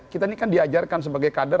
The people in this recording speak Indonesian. kita ini kan diajarkan sebagai kader